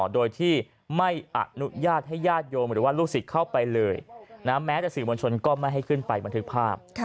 โดยที่ไม่อนุญาตให้ญาติโยมหรือว่าลูกศิษย์เข้าไปเลยแม้แต่สื่อมวลชนก็ไม่ให้ขึ้นไปบันทึกภาพ